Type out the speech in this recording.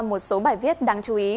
một số bài viết đáng chú ý